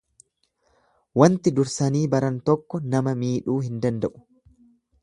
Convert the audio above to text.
Wanti dursanii baran tokko nama miidhuu hin danda'u.